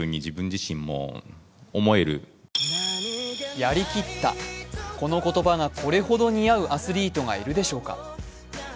やりきったこの言葉がこれほど似合うアスリートがいるでしょうか。